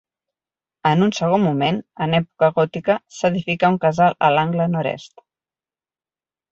En un segon moment, en època gòtica, s'edificà un casal a l'angle nord-est.